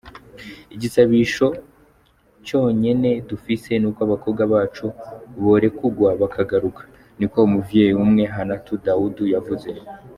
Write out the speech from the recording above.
"Igisabisho conyene dufise nuko abakobwa bacu borekugwa bakagaruka," niko umuvyeyi umwe, Hannatu Daudu yavuze.